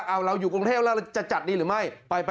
เหล่าเหล่าเราอยู่กรุงเทพละจะจัดดีหรือไม่